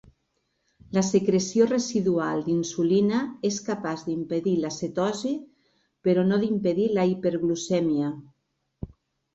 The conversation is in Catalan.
La secreció residual d'insulina és capaç d'impedir la cetosi però no d'impedir la hiperglucèmia.